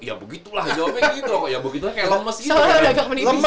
iya begitulah jawabnya gitu